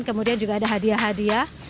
kemudian juga ada hadiah hadiah